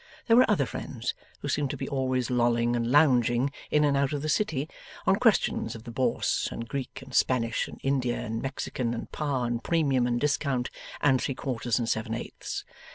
There were other friends who seemed to be always lolling and lounging in and out of the City, on questions of the Bourse, and Greek and Spanish and India and Mexican and par and premium and discount and three quarters and seven eighths.